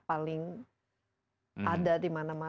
paling ada di mana mana